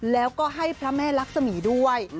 แล้วก็ให้พระแม่ลักษมีด้วย